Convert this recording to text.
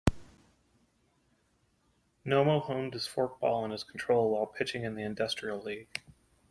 Nomo honed his forkball and his control while pitching in the Industrial League.